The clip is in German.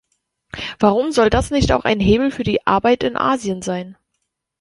Warum soll das nicht auch ein Hebel für die Arbeit in Asien sein?